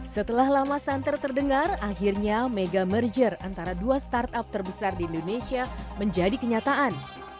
setelah lama santer terdengar akhirnya mega merger antara dua startup terbesar di indonesia menjadi kenyataan